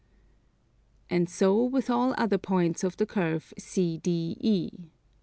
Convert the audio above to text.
And so with all other points of the curve CDE.